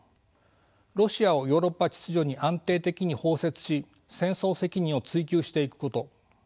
ロシアをヨーロッパ秩序に安定的に包摂し戦争責任を追及していくこと。